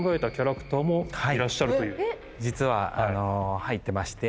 実は入ってまして。